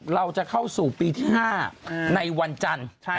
เราจะเข้าสู่ปีที่๕ในวันจันทร์